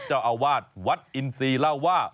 เจ้าอาวาสวัดอินซีเล่าว่า